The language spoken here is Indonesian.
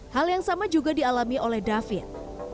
hal yang sama juga dialami oleh david